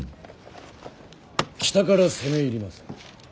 北から攻め入ります。